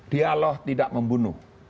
dialog tidak membunuh